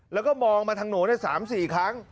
แล้วก็มองมาถังโหนได้๓๔ครั้ง